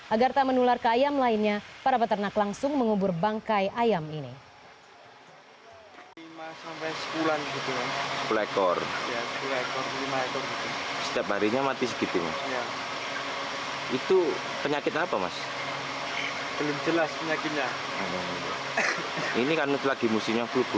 agar tak menular ke ayam lainnya para peternak langsung mengubur bangkai ayam ini